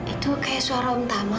itu kayak suara umpamu